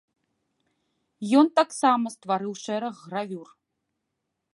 Ён таксама стварыў шэраг гравюр.